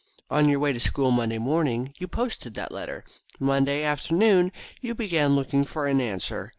On your way to school Monday morning, you posted that letter. Monday afternoon you began looking for an answer.